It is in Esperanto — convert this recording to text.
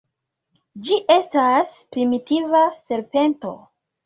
Ĝi estas primitiva serpento.